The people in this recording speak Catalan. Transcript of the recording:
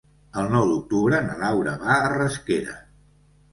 El nou d'octubre na Laura va a Rasquera.